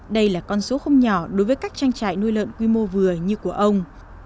đây là con số không nhỏ đối với các trang trại nuôi lợn quy mô vừa như của ông